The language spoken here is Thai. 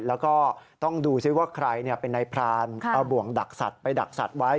แล้วก็ต้องดูซิว่าใครเป็นนายพรานเอาบ่วงดักสัตว์ไปดักสัตว์ไว้